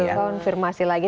betul konfirmasi lagi